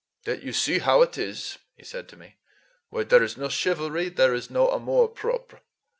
"You see how it is," he said to me, "where there is no chivalry, there is no amour propre."